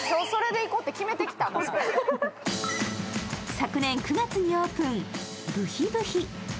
昨年９月にオープン、ぶひぶひ。